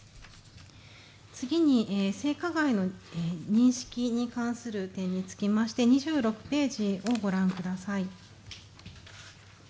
次に、性加害の認識につきまして２６ページをご覧ください。